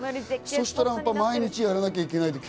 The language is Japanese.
そしたら毎日やらなきゃいけない。